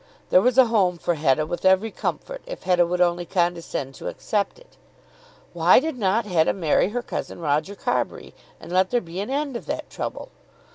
There was a home for Hetta, with every comfort, if Hetta would only condescend to accept it. Why did not Hetta marry her cousin Roger Carbury and let there be an end of that trouble?